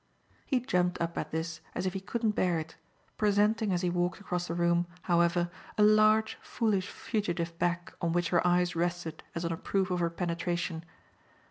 He jumped up at this as if he couldn't bear it, presenting as he walked across the room, however, a large foolish fugitive back on which her eyes rested as on a proof of her penetration.